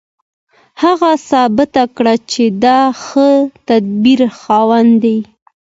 هغه ثابته کړه چې د ښه تدبیر خاوند دی